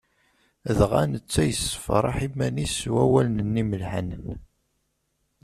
Dɣa netta yessefraḥ iman-is s wawlen-nni imelḥanen.